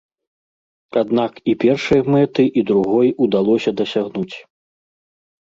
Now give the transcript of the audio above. Аднак і першай мэты, і другой удалося дасягнуць.